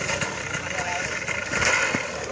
และที่สุดท้ายและที่สุดท้าย